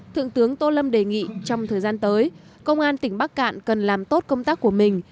thượng tướng tô lâm đề nghị trong thời gian tới công an tỉnh bắc cạn cần làm tốt công tác của mình